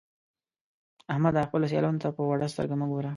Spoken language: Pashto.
احمده! خپلو سيالانو ته په وړه سترګه مه ګوه.